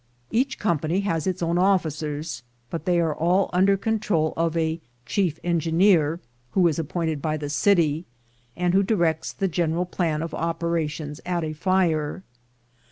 Each company has its own officers ; but they are all under control of a "chief engineer;" who is appointed by the city, and who directs the general plan of operations at a fire.